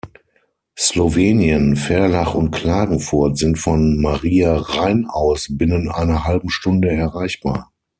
Slowenien, Ferlach und Klagenfurt sind von Maria Rain aus binnen einer halben Stunde erreichbar.